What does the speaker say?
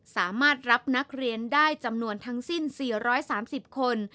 สามารถรับนักเรียนได้จำนวนทั้งสิ้น๔๓๐คน